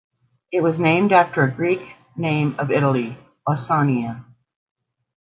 It was named after a Greek name of Italy, Ausonia.